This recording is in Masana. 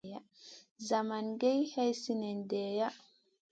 Zamagé day hay sinèh ɗenŋa.